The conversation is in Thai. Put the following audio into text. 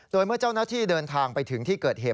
โดยเมื่อเจ้าหน้าที่เดินทางไปถึงที่เกิดเหตุ